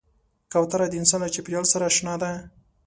کوتره د انسان له چاپېریال سره اشنا ده.